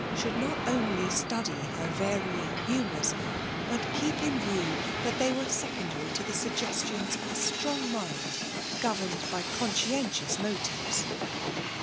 should not onljr sliidj ker varying humours, but keep in view that they were secondary to the suggestions of a strong mind governed by conscientious motives.